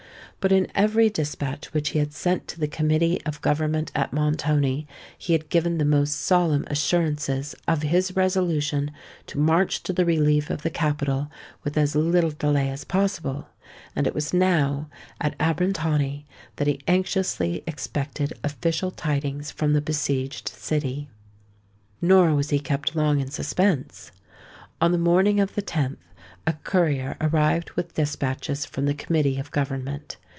But in every despatch which he had sent to the Committee of Government at Montoni, he had given the most solemn assurances of his resolution to march to the relief of the capital with as little delay as possible; and it was now, at Abrantani, that he anxiously expected official tidings from the besieged city. Nor was he kept long in suspense. On the morning of the 10th a courier arrived with despatches from the Committee of Government.